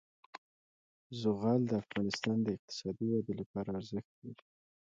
زغال د افغانستان د اقتصادي ودې لپاره ارزښت لري.